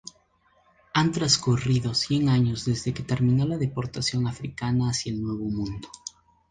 Han transcurrido cien años desde que terminó la deportación africana hacia el nuevo mundo.